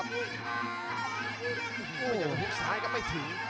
ไม่อยากไปฮุกซ้ายก็ไม่ถึง